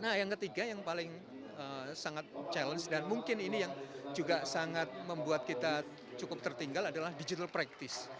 nah yang ketiga yang paling sangat challenge dan mungkin ini yang juga sangat membuat kita cukup tertinggal adalah digital practice